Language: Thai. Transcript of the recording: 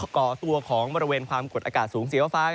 ก่อตัวของบริเวณความกดอากาศสูงสีฟ้า